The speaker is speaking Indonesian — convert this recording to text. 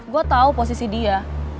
gue tau posisi dia